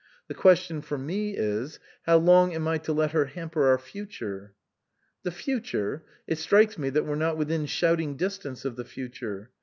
The question for me is how long am I to let her hamper our future ?" "The future? It strikes me that we're not within shouting distance of the future.